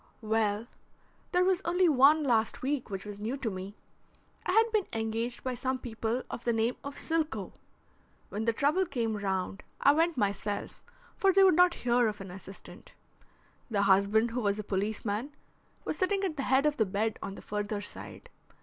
"Well, there was only one last week which was new to me. I had been engaged by some people of the name of Silcoe. When the trouble came round I went myself, for they would not hear of an assistant. The husband who was a policeman, was sitting at the head of the bed on the further side.